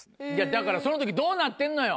だからその時どうなってんのよ。